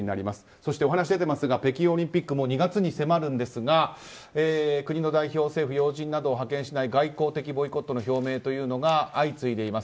そしてお話出ていますが北京オリンピック２月に迫るんですが国の代表政府要人などを派遣しない外交的ボイコットの表明というのが相次いでいます。